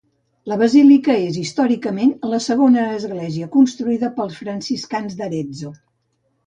La basílica és històricament la segona església construïda pels franciscans d'Arezzo.